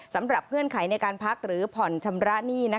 สำหรับเพื่อนไขในการพักหรือผ่อนชำระนี่